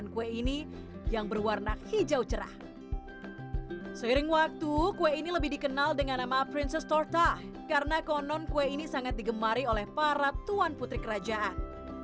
kue ini juga diberi nama princess torta karena konon kue ini sangat digemari oleh para tuan putri kerajaan